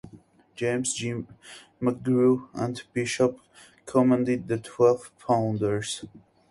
James G. McGrew and Bishop commanded the twelve pounders.